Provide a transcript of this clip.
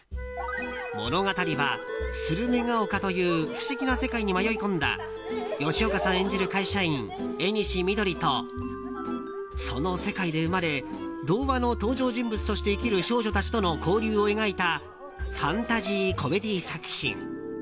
物語はスルメが丘という不思議な世界に迷い込んだ吉岡さん演じる会社員、縁緑とその世界で生まれ童話の登場人物として生きる少女たちの交流を描いたファンタジーコメディー作品。